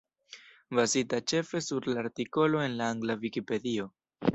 Bazita ĉefe sur la artikolo en la angla Vikipedio.